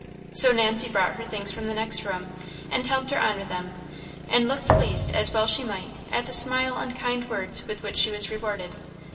So Nancy brought her things from the next room, and helped her on with them, and looked pleased, as well she might, at the smile and kind words with which she was rewarded.